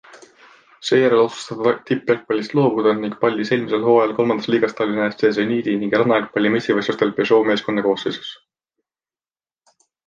Seejärel otsustas ta tippjalgpallist loobuda ning pallis eelmisel hooajal III liigas Tallinna FC Zenidi ning rannajalgpalli meistrivõistlustel Peugeot' meeskonna koosseisus.